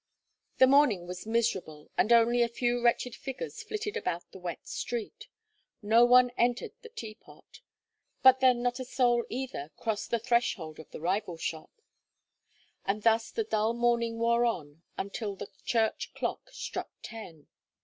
The morning was miserable, and only a few wretched figures flitted about the wet street. No one entered the "Teapot;" but then not a soul either crossed the threshold of the rival shop. And thus the dull morning wore on until the church clock struck ten.